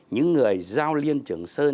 những người giao liên trường sơn